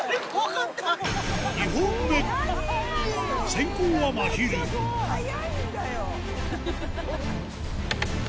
先攻はまひる速いんだよ。